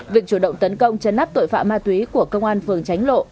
việc chủ động tấn công chấn áp tội phạm ma túy của công an phường tránh lộ